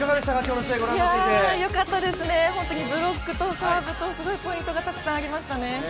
よかったですね、本当にブロックとトスワークとすごいポイントがたくさんありましたよね！